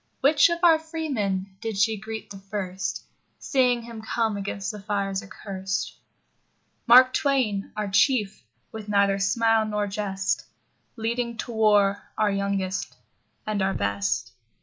Which of our freemen did she greet the first, Seeing him come against the fires accurst? Mark Twain, our Chief, with neither smile nor jest, Leading to war our youngest and our best.